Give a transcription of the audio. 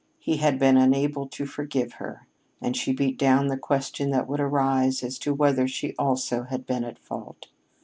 He had been unable to forgive her, and she beat down the question that would arise as to whether she also had been at fault.